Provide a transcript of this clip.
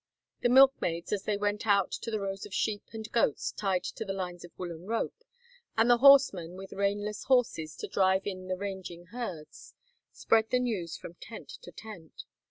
The milkmaids as they went out to the rows of sheep and goats tied to the lines of woolen rope, and the horsemen with reinless horses to drive in the ranging herds, spread the news from tent to tent.